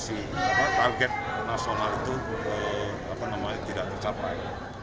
itu tidak tercapai